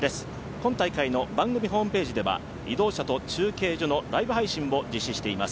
今大会の番組ホームページでは移動車と中継所のライブ配信を実施しています。